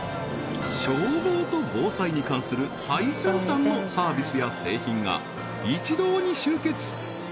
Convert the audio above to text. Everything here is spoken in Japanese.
消防と防災に関する最先端のサービスや製品が一堂に集結